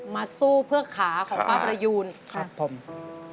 มาสู้เพื่อขาของป้าประยูนครับผม